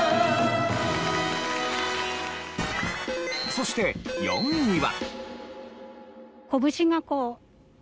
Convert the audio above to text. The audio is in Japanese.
そして４位は。